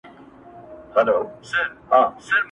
مُلا به وي منبر به وي ږغ د آذان به نه وي-